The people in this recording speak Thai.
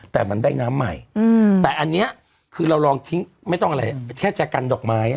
แต่มันได้น้ำใหม่แต่อันนี้คือเราลองทิ้งไม่ต้องอะไรแค่จะกันดอกไม้